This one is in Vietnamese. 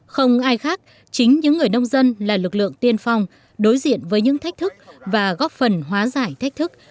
không ai khác chính những người nông dân là lực lượng tiên phong đối diện với những thách thức và góp phần hóa giải thách thức